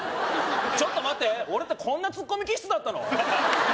ちょっと待って俺ってこんなツッコミ気質だったの？